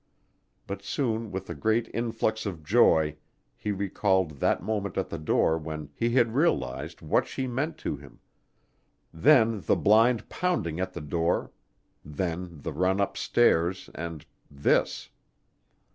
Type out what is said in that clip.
But soon with a great influx of joy he recalled that moment at the door when he had realized what she meant to him, then the blind pounding at the door, then the run upstairs and this.